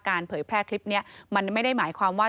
เผยแพร่คลิปนี้มันไม่ได้หมายความว่า